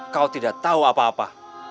kau tidak tahu apa apa